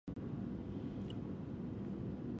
هلته یې له کلیوالو خلکو سره مخ شو.